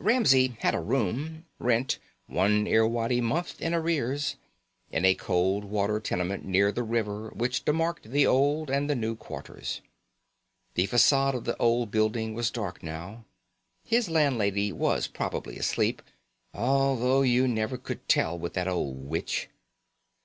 Ramsey had a room, rent one Irwadi month in arrears, in a cold water tenement near the river which demarked the Old and the New Quarters. The façade of the old building was dark now. His landlady was probably asleep, although you never could tell with that old witch.